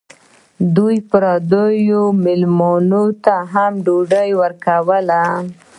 دوی پردو مېلمنو ته هم ډوډۍ ورکوله.